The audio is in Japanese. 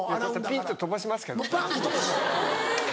ピッて飛ばしますけど。